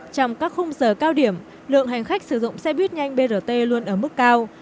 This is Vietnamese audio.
trong các khung giờ cao điểm lượng hành khách sử dụng xe buýt nhanh brt luôn ở mức cao